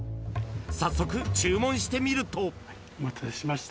［早速注文してみると］お待たせしました。